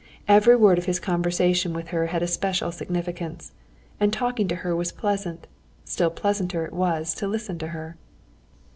Every word in his conversation with her had a special significance. And talking to her was pleasant; still pleasanter it was to listen to her.